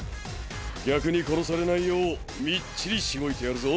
逆に殺されないようみっちりしごいてやるぞ。